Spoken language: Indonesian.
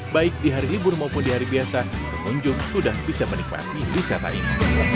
baik di hari libur maupun di hari biasa pengunjung sudah bisa menikmati wisata ini